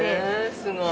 ◆すごい。